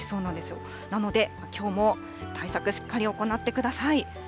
なので、きょうも対策しっかり行ってください。